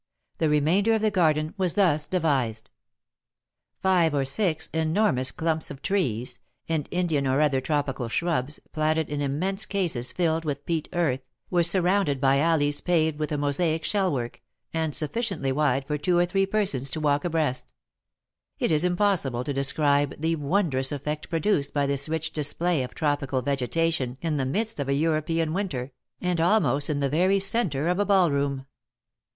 The remainder of the garden was thus devised: Five or six enormous clumps of trees, and Indian or other tropical shrubs, planted in immense cases filled with peat earth, were surrounded by alleys paved with a mosaic shell work, and sufficiently wide for two or three persons to walk abreast. It is impossible to describe the wondrous effect produced by this rich display of tropical vegetation in the midst of a European winter, and almost in the very centre of a ballroom.